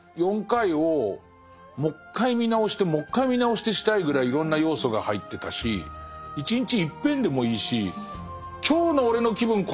４回をもう１回見直してもう１回見直してしたいぐらいいろんな要素が入ってたし１日１篇でもいいし今日の俺の気分